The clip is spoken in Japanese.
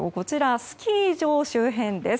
スキー場周辺です。